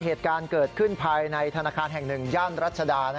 เหตุการณ์เกิดขึ้นภายในธนาคารแห่งหนึ่งย่านรัชดา